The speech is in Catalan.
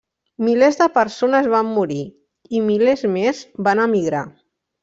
Milers de persones van morir i milers més van emigrar.